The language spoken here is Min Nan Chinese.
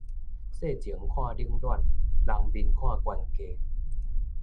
世情看冷暖，人面看懸低